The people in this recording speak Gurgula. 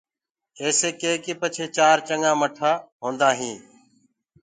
ايسي ڪي ڪي پچهي چآر چنگآ ٻٽآ هوندآ هينٚ